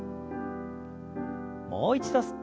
もう一度吸って。